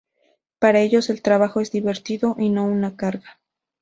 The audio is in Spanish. Para ellos, el trabajo es divertido y no una carga.